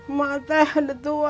emak teh udah tua